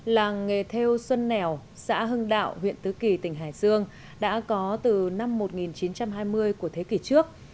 làng nghề theo xuân nẻo xã hưng đạo huyện tứ kỳ tỉnh hải dương đã có từ năm một nghìn chín trăm hai mươi của thế kỷ trước